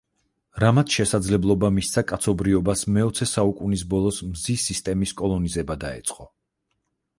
რამაც შესაძლებლობა მისცა კაცობრიობას მეოცე საუკუნის ბოლოს მზის სისტემის კოლონიზება დაეწყო.